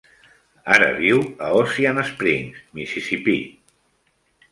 Ara viu a Ocean Springs, Mississippi.